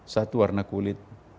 satu warna kulit